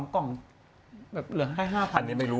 ๒กล่องแบบเหลือแค่๕๐๐๐บาทไม่รู้